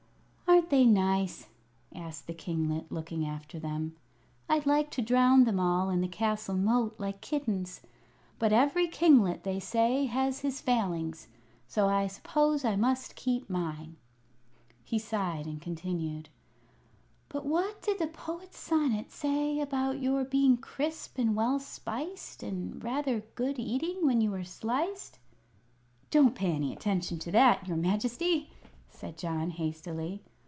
"Aren't they nice?" asked the kinglet, looking after them. "I'd like to drown them all in the castle moat, like kittens; but every kinglet, they say, has his Failings, so I suppose I must keep mine." He sighed, and continued: "But what did the Poet's sonnet say about your being crisp and well spiced, and rather good eating were you sliced?" "Don't pay any attention to that, your Majesty!" said John, hastily.